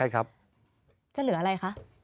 เขาเหลืออะไรคะ